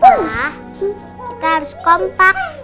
pak kita harus kompak